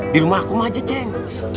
di rumah aku mah aja ceng